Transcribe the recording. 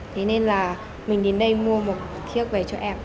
thế nên là mình đến đây mua một chiếc về cho em